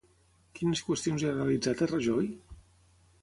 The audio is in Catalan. Quines qüestions li ha realitzat a Rajoy?